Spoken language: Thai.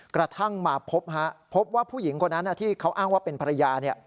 กระทั่งมาพบพบว่าผู้หญิงคนนั้นที่เขาอ้างว่าเป็นภรรยา